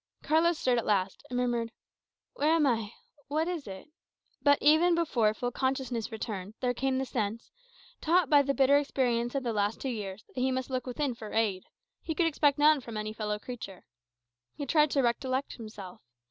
Carlos stirred at last, and murmured, "Where am I? What is it?" But even before full consciousness returned, there came the sense, taught by the bitter, experience of the last two years, that he must look within for aid he could expect none from any fellow creature. He tried to recollect himself.